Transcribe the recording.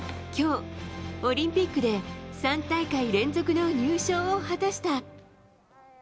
今日、オリンピックで３大会連続の入賞を果たした。